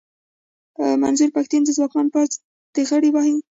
منظور پښتين د ځواکمن پوځ سره ډغرې وهي.